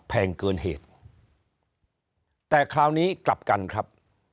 แพงเกินเหตุแต่คราวนี้กลับกันครับ